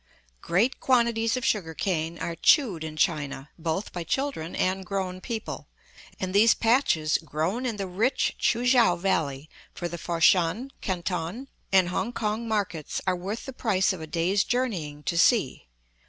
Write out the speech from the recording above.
Great quantities of sugar cane are chewed in China, both by children and grown people, and these patches grown in the rich Choo kiang Valley for the Fat shan, Canton, and Hong kong markets are worth the price of a day's journeying to see.